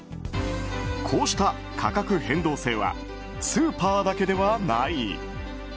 こうした価格変動制はスーパーだけではない。